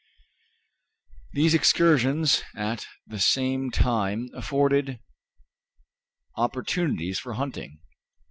These excursions at the same time afforded opportunities for hunting.